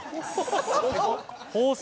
・放送？